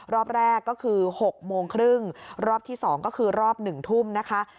รอบแรกก็คือ๖โมงครึ่งรอบที่๒ก็คือรอบ๑ทุ่มนะคะ